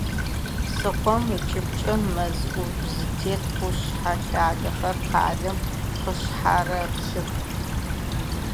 Псыхъом ыкӏыбкӏэ мэз ӏужъу зытет къушъхьэ лъагэхэр къалэм къышъхьарэплъых.